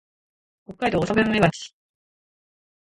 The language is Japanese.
北海道長万部町